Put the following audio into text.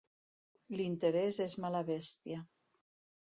L'interès és mala bèstia.